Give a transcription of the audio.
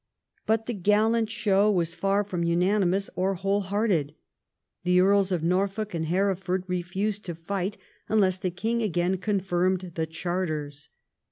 But the gallant show was far from unanimous or whole hearted. The Earls of Norfolk and Hereford refused to fight unless the king again con firmed the Charters.